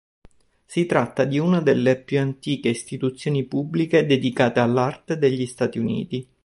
Si tratta di una delle più antiche istituzioni pubbliche dedicate all'arte degli Stati Uniti.